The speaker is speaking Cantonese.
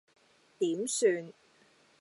點算